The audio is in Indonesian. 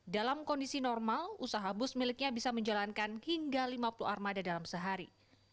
dalam kondisi normal usaha bus miliknya bisa menjalankan hingga lima puluh armada dalam sehari